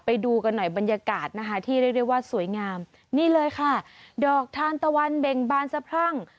ไปดูกันหน่อยบรรยากาศนะคะที่เรียกได้ว่าสวยงามนี่เลยค่ะดอกทานตะวันเบ่งบานสะพรั่ง